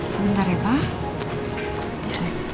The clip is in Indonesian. sebentar ya pak